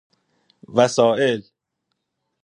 وسائل